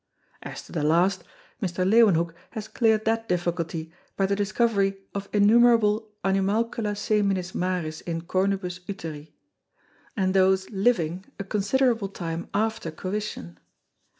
As to the last, Mr. Leewenhoeck has cleared that difficulty, by the discovery of innumerable Animalcula Seminis Maris in Cornubus Uteri, and those living a considerable time after Coition.